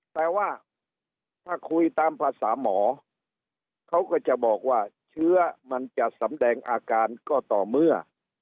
แต่ว่าถ้าคุยตามภาษาหมอเขาก็จะบอกว่าเชื้อมันจะสำแดงอาการก็ต่อเมื่อ